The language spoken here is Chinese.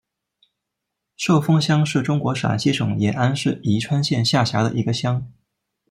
寿峰乡是中国陕西省延安市宜川县下辖的一个乡。